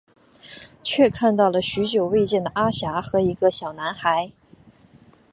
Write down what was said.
却看到了许久未见的阿霞和一个小男孩。